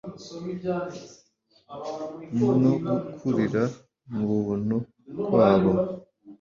no gukurira mu buntu kwabo,